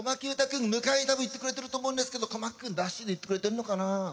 君迎えに多分行ってくれてると思うんですけど小牧君ダッシュで行ってくれてるのかな？